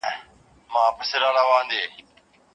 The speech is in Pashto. د قسم په عدل پوري متعلق موارد معلوم دي.